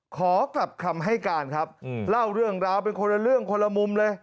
ขอกลับคำให้การครับเล่าเรื่องราวเป็นคนละเรื่องคนละมุมเลย